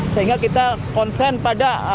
sehingga kita konsen pada